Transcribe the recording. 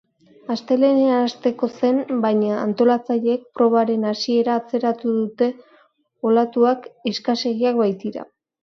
Astelehenean hasteko zen, baina antolatzaileek probaren hasiera atzeratu dute olatuak eskasegiak baitira.